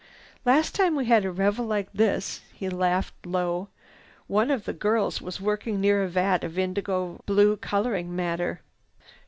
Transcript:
"Last time we had a revel like this," he laughed low, "one of the girls was working near a vat of indigo blue coloring matter.